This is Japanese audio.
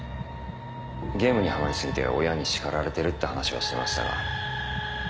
ゲームにハマり過ぎて親に叱られてるって話はしてましたが。